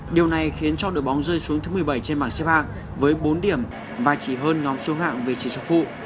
điều này khiến cho đội bóng rơi xuống thứ một mươi bảy trên mạng xếp hạng với bốn điểm và chỉ hơn ngóng xuống hạng về trị sở phụ